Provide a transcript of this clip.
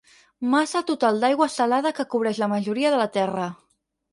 Massa total d'aigua salada que cobreix la majoria de la terra.